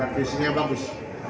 dan visinya bagus